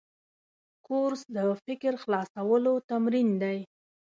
کورس د فکر خلاصولو تمرین دی.